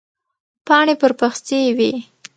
پاڼې پر پخڅې وې.